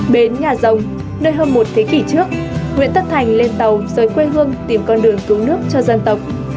bến nhà rồng nơi hơn một thế kỷ trước nguyễn tất thành lên tàu rời quê hương tìm con đường cứu nước cho dân tộc